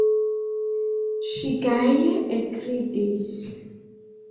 Ŝi gaje ekridis.